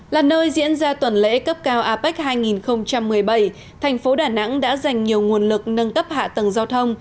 là nơi diễn ra tuần lễ cấp cao apec hai nghìn một mươi bảy thành phố đà nẵng đã dành nhiều nguồn lực nâng cấp hạ tầng giao thông